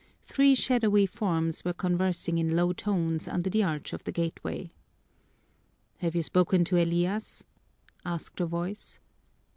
Three shadowy forms were conversing in low tones under the arch of the gateway. "Have you spoken to Elias?" asked a voice.